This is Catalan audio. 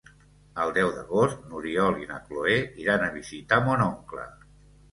El deu d'agost n'Oriol i na Cloè iran a visitar mon oncle.